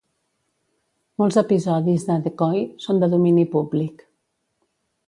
Molts episodis de "Decoy" són de domini públic.